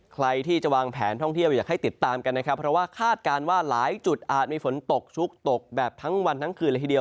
ใครที่จะวางแผนท่องเที่ยวอยากให้ติดตามกันนะครับเพราะว่าคาดการณ์ว่าหลายจุดอาจมีฝนตกชุกตกแบบทั้งวันทั้งคืนเลยทีเดียว